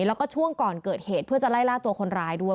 แล้วก็ช่วงก่อนเกิดเหตุเพื่อจะไล่ล่าตัวคนร้ายด้วย